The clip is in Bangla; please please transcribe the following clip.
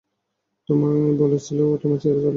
তুমি বলেছিলে ও তোমায় ছেড়ে চলে যায়।